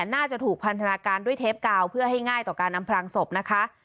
น่าจะถูกพันธนาการด้วยเทปกาวเพื่อให้ง่ายต่อการอำพรางศพนะคะ